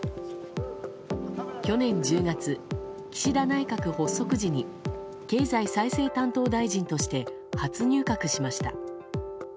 去年１０月、岸田内閣発足時に経済再生担当大臣として初入閣しました。